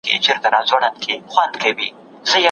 غاښونه مو قیمتي دي.